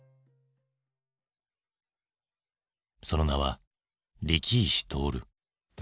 その名は力石徹。